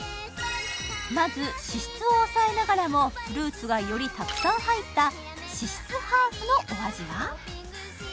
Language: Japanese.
まず脂質を抑えながらもフルーツがよりたくさん入った脂質ハーフのお味は？